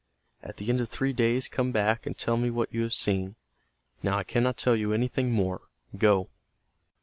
At the end of three days come back and tell me what you have seen. Now I cannot tell you anything more. Go."